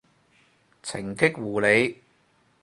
程繫護理